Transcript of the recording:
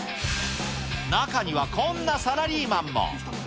中には、こんなサラリーマンも。